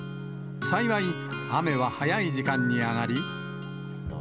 幸い、雨は早い時間に上がり。